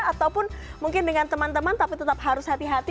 ataupun mungkin dengan teman teman tapi tetap harus hati hati